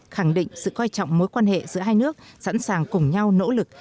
khẳng định sự coi trọng mối quan hệ giữa hai nước sẵn sàng cùng nhau nỗ lực